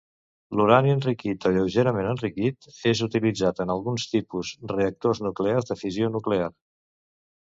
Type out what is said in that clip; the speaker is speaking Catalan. L'urani enriquit o lleugerament enriquit és utilitzat en alguns tipus reactors nuclears de fissió nuclear.